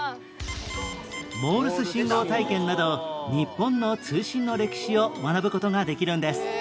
モールス信号体験など日本の通信の歴史を学ぶ事ができるんです